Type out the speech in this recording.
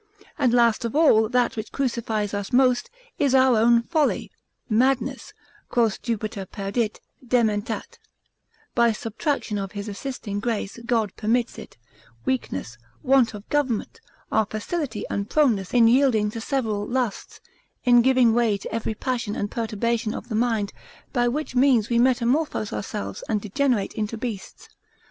And last of all, that which crucifies us most, is our own folly, madness (quos Jupiter perdit, dementat; by subtraction of his assisting grace God permits it) weakness, want of government, our facility and proneness in yielding to several lusts, in giving way to every passion and perturbation of the mind: by which means we metamorphose ourselves and degenerate into beasts.